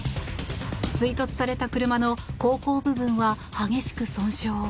追突された車の後方部分は激しく損傷。